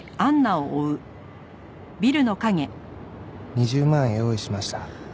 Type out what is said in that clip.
「２０万円用意しました」